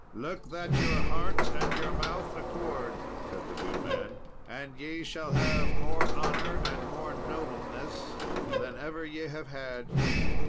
"Look that your heart and your mouth accord," said the good man, "and ye shall have more honour and more nobleness than ever ye have had."